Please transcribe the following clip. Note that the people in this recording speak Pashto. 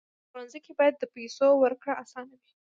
په پلورنځي کې باید د پیسو ورکړه اسانه وي.